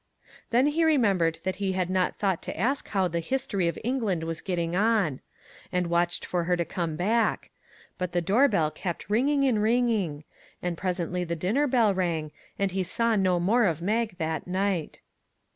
Then he remembered that he had not thought to ask her how the history of England was getting on; and watched for her to come back; but the door bell kept ringing and ring ing; and presently the dinner bell rang, and he saw no more of Mag that night.